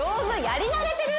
やり慣れてる？